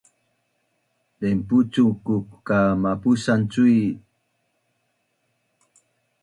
Denpucun ku ka mapusan cui